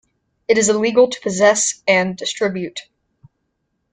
It is illegal to possess and distribute.